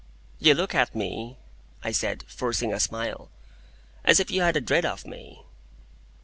"You look at me," I said, forcing a smile, "as if you had a dread of me."